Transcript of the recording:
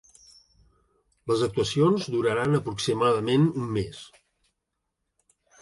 Les actuacions duraran aproximadament un mes.